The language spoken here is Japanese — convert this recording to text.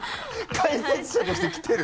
解説者として来てる。